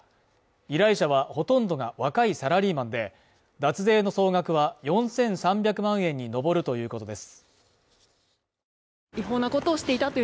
依頼者はほとんどが若いサラリーマンで、脱税の総額は４３００万円に上るということです。